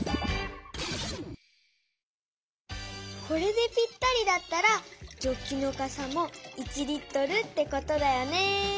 これでぴったりだったらジョッキのかさも１Ｌってことだよね。